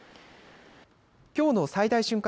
きょうの最大瞬間